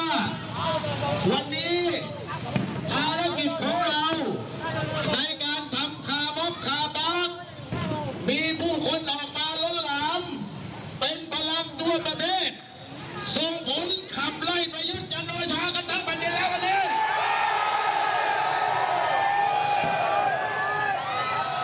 ในการทำขามบขาบักมีผู้คนออกมาล้อลาม